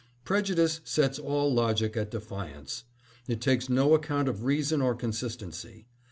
"Prejudice sets all logic at defiance. It takes no account of reason or consistency.